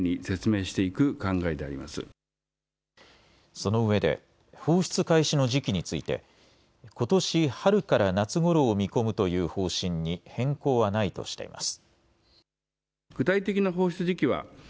そのうえで放出開始の時期についてことし春から夏ごろを見込むという方針に変更はないとしています。